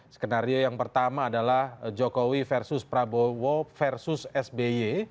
skenario yang pertama adalah jokowi versus prabowo versus sby